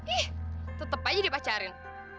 ih tetep aja dipacarin